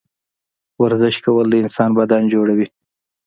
ورزش کول د انسان بدن جوړوي